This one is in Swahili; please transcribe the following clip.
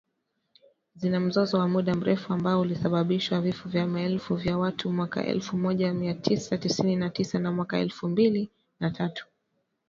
Zina mzozo wa muda mrefu ambao ulisababishwa vifo vya maelfu ya watu mwaka elfu moja mia tisa tisini na tisa na mwaka elfu mbili na tatu